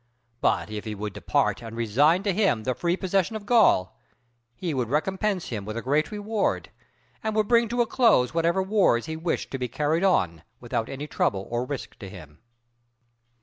But if he would depart and resign to him the free possession of Gaul, he would recompense him with a great reward, and would bring to a close whatever wars he wished to be carried on, without any trouble or risk to him."